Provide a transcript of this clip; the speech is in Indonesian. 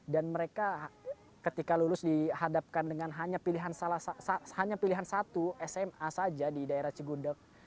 dan mereka ketika lulus dihadapkan dengan hanya pilihan satu sma saja di daerah cigudeg